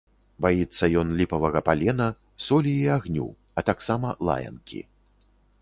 Баіцца ён ліпавага палена, солі і агню, а таксама лаянкі.